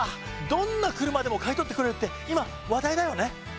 どんな車でも買い取ってくれるって今話題だよね。